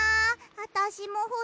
あたしもほしい